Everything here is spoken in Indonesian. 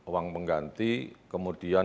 uang pengganti kemudian